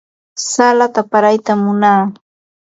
Salata pallaytam munaa.